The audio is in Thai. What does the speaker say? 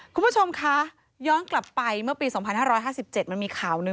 คุณผู้ชมคะย้อนกลับไปเมื่อปี๒๕๕๗มันมีข่าวหนึ่ง